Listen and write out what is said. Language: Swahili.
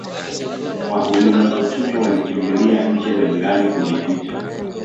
wahujumu uchumi walikimbilia nchi za jirani kujificha